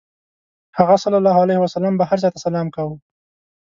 هغه ﷺ به هر چا ته سلام کاوه.